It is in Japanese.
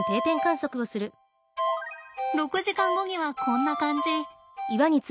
６時間後にはこんな感じ。